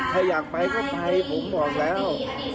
ถ้าอยากไปก็ไปผมบอกแล้ว